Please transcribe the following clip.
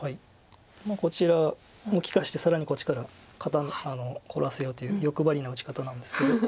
こちらも利かして更にこっちから凝らせようという欲張りな打ち方なんですけど。